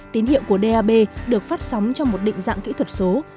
tín hiệu của dap được phát sóng trong một định dạng kỹ thuật số